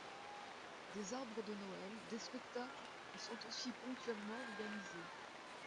Des arbres de Noël, des spectacles y sont aussi ponctuellement organisés.